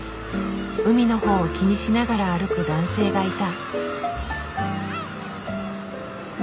海のほうを気にしながら歩く男性がいた。